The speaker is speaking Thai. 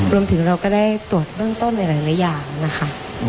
เราก็ได้ตรวจเบื้องต้นในหลายอย่างนะคะ